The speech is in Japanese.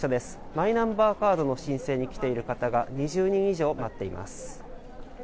マイナンバーカードの申請に来ている方が２０人以上待っています。